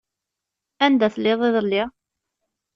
Anda telliḍ iḍelli?